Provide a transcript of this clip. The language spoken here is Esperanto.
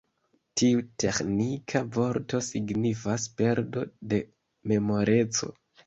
Tiu teĥnika vorto signifas: perdo de memoreco.